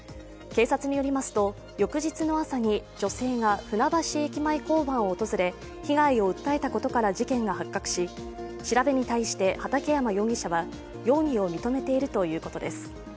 警察によりますと、翌日の朝に女性が船橋駅前交番を訪れ、被害を訴えたことから事件が発覚し、調べに対して畠山容疑者は容疑を認めているということです。